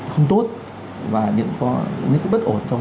không tốt và những có những cái bất ổn trong